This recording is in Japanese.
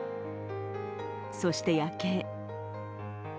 そして夜景。